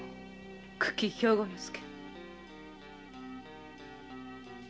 九鬼兵庫助。